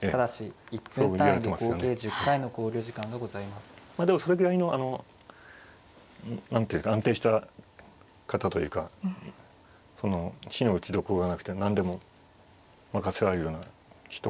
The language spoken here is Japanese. まあでもそれぐらいのあの何ていうか安定した方というか非の打ちどころがなくて何でも任せられるような人かなと思ってますね。